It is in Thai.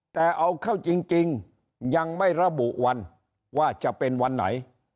แต่เอาเข้าจริงยังไม่ระบุวันว่าจะเป็นวันไหน